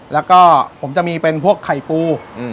แล้วก็ผมจะมีเป็นพวกไข่ปู